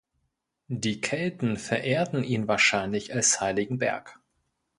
Die Kelten verehrten ihn wahrscheinlich als heiligen Berg.